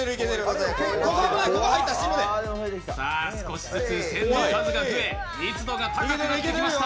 少しずつ線の数が増え密度が高くなってきました。